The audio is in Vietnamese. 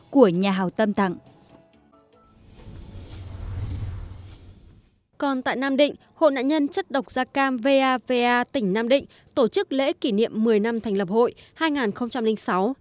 còn tại nam định hội nạn nhân chất độc da cam vava tỉnh nam định tổ chức lễ kỷ niệm một mươi năm thành lập hội hai nghìn sáu hai nghìn một mươi sáu